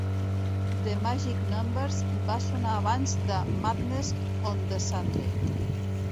The Magic Numbers va sonar abans de Madness on the Sunday.